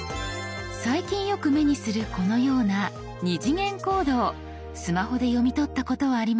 最近よく目にするこのような「２次元コード」をスマホで読み取ったことはありますか？